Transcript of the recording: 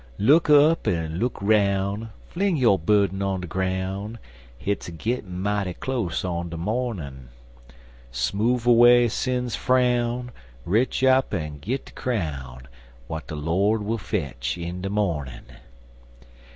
Look up en look aroun', Fling yo' burden on de groun', Hit's a gittin' mighty close on ter mornin'! Smoove away sin's frown Retch up en git de crown, W'at de Lord will fetch in de mornin'!